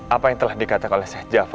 apa yang telah dikatakan oleh sheikh jafar